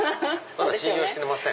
まだ信用してません。